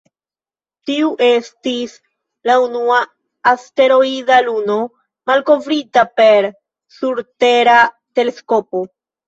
Tiu estis la unua asteroida luno malkovrita per surtera teleskopo.